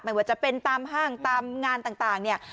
ไม่ว่าจะเป็นตามห้างตามงานต่างเนี่ย